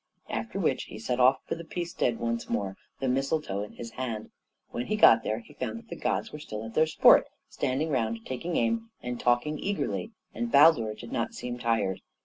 After which he set off for the Peacestead once more, the mistletoe in his hand. When he got there he found that the gods were still at their sport, standing round, taking aim, and talking eagerly, and Baldur did not seem tired.